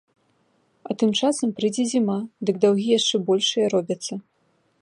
А тым часам прыйдзе зіма, дык даўгі яшчэ большыя робяцца.